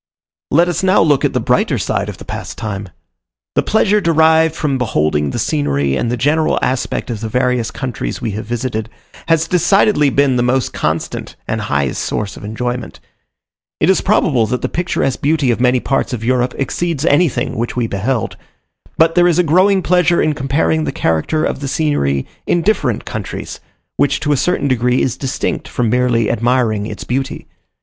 Let us now look at the brighter side of the past time. The pleasure derived from beholding the scenery and the general aspect of the various countries we have visited, has decidedly been the most constant and highest source of enjoyment. It is probable that the picturesque beauty of many parts of Europe exceeds anything which we beheld. But there is a growing pleasure in comparing the character of the scenery in different countries, which to a certain degree is distinct from merely admiring its beauty.